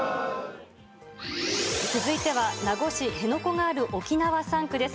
続いては、名護市辺野古がある沖縄３区です。